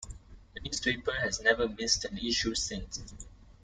The newspaper has never missed an issue since.